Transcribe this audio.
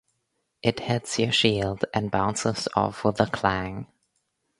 It hit's your shield and bounces off with a clang.